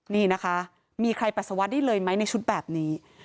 นี่นะคะมีใครปัสสาวะได้เลยไหมในชุดแบบนี้